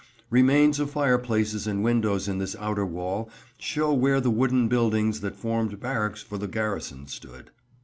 Remains of fireplaces and windows in this outer wall show where the wooden buildings that formed barracks for the garrison stood.